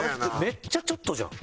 めっちゃちょっとじゃん。